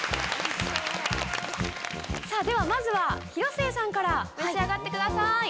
ではまずは広末さんから召し上がってください。